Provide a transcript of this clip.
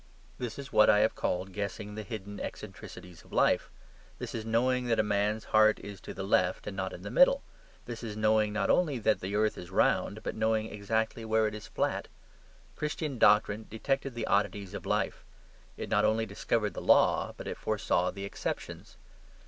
This is what I have called guessing the hidden eccentricities of life. This is knowing that a man's heart is to the left and not in the middle. This is knowing not only that the earth is round, but knowing exactly where it is flat. Christian doctrine detected the oddities of life. It not only discovered the law, but it foresaw the exceptions.